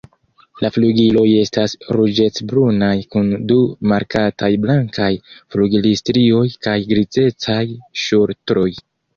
La flugiloj estas ruĝecbrunaj kun du markataj blankaj flugilstrioj kaj grizecaj ŝultroj.